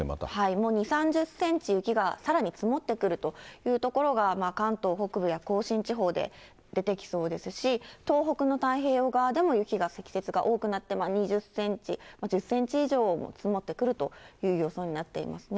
もう２、３０センチ雪がさらに積もってくるという所が、関東北部や甲信地方で出てきそうですし、東北の太平洋側でも雪が、積雪が多くなって、２０センチ、１０センチ以上積もってくるという予想になっていますね。